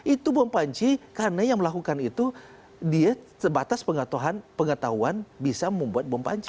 itu bom panci karena yang melakukan itu dia sebatas pengetahuan bisa membuat bom panci